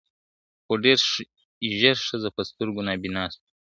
خو ډېر ژر ښځه په سترګو نابینا سوه .